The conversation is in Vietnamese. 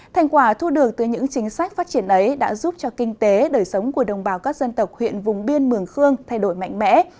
thành quả thu được từ những chính sách phát triển ấy đã giúp cho kinh tế đời sống của đồng bào các dân tộc huyện vùng biên mường khương thay đổi mạnh mẽ